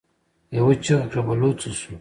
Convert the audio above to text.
يوه چيغه کړه: بلوڅ څه شو؟